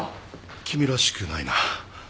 君らしくないな。